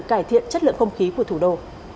cải thiện chất lượng không khí của thủ đô